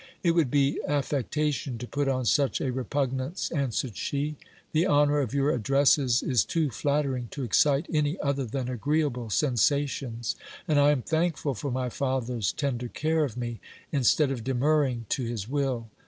It would be affect ation to put on such a repugnance, answered she ; the honour of your addresses is too flattering to excite any other than agreeable sensations, and I am thankful for my father's tender care of me, instead of demurring to his will.